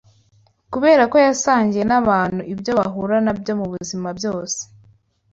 Kubera ko yasangiye n’abantu ibyo bahura nabyo mu buzima byose